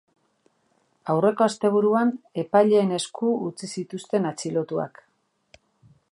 Aurreko asteburuan epailearen esku utzi zituzten atxilotuak.